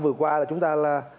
vừa qua là chúng ta là